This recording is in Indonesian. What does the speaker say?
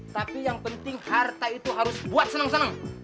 tapi yang penting harta itu harus buat seneng seneng